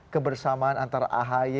kebersamaan antara ahy